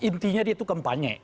intinya dia itu kampanye